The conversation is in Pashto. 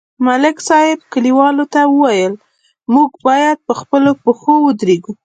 ملک صاحب کلیوالو ته وویل: موږ باید په خپلو پښو ودرېږو